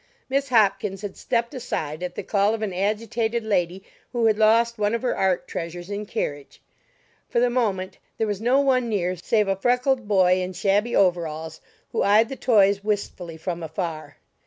Miss Hopkins had stepped aside at the call of an agitated lady who had lost one of her art treasures in carriage; for the moment, there was no one near save a freckled boy in shabby overalls, who eyed the toys wistfully from afar.